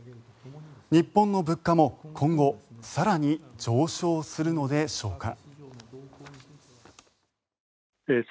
日本の物価も今後更に上昇するのでしょうか。